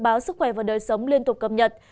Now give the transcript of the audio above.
báo sức khỏe và đời sống liên tục cập nhật